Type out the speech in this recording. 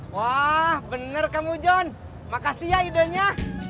wah bener kamu john makasih ya idenya